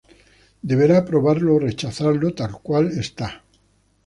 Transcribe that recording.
Deberá aprobarlo o rechazarlo tal cual está.